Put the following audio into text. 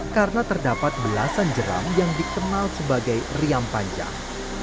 karena terdapat belasan jeram yang dikenal sebagai riam panjang